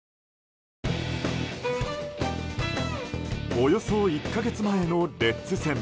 およそ１か月前のレッズ戦。